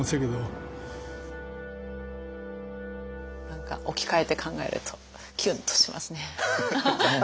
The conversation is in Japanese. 何か置き換えて考えるとキュンとしますね。